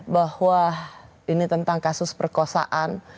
bahwa ini tentang kasus perkosaan